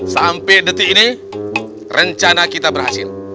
sampai detik ini rencana kita berhasil